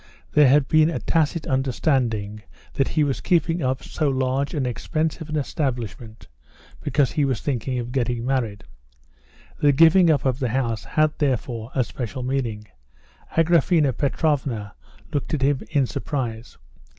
There had been a tacit understanding that he was keeping up so large and expensive an establishment because he was thinking of getting married. The giving up of the house had, therefore, a special meaning. Agraphena Petrovna looked at him in surprise.